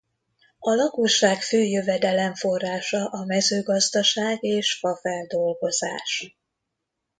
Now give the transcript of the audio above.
A lakosság fő jövedelemforrása a mezőgazdaság és fafeldolgozás.